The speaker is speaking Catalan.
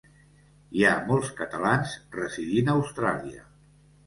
Hi ha molts catalans residint a Austràlia